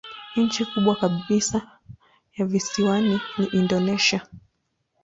Nchi kubwa kabisa ya visiwani ni Indonesia.